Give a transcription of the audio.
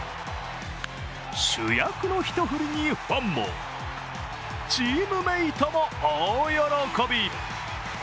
主役の一振りにファンもチームメートも大喜び。